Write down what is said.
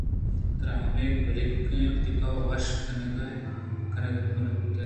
ترا ہمے گلگ اِنت کہ تو وش اتک کنگ نہ بوتگ اَت